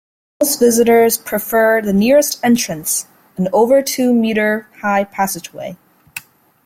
Most visitors prefer the nearest entrance, an over-two-meter-high passageway.